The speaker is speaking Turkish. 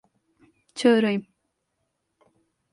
Çağırayım.